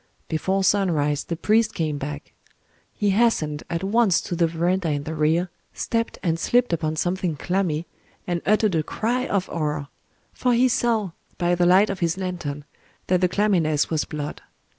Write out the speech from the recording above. Before sunrise the priest came back. He hastened at once to the verandah in the rear, stepped and slipped upon something clammy, and uttered a cry of horror;—for he saw, by the light of his lantern, that the clamminess was blood.